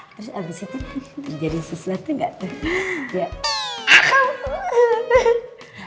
terus abis itu jadi sesuatu gak tuh